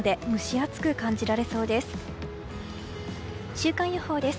週間予報です。